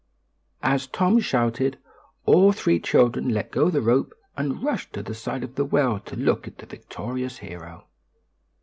As Tom shouted, all three children let go the rope and rushed to the side of the well to look at the victorious hero.